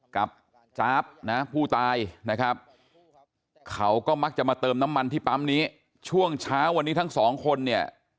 จ๊าบนะผู้ตายนะครับเขาก็มักจะมาเติมน้ำมันที่ปั๊มนี้ช่วงเช้าวันนี้ทั้งสองคนเนี่ย